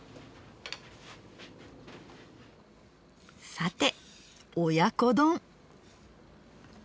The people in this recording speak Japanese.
さて親子丼。